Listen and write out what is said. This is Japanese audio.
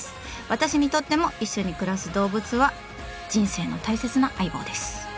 私にとっても一緒に暮らす動物は人生の大切な相棒です。